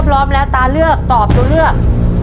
พร้อมแล้วตาเลือกตอบตัวเลือก